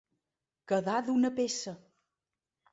Quedar d'una peça.